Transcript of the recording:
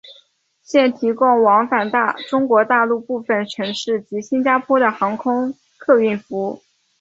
现提供往返中国大陆部分城市及新加坡的航空客运服务。